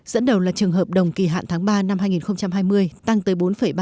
dẫn đầu là trường hợp đồng kỳ hạn tháng ba năm hai nghìn hai mươi tăng tới bốn ba mươi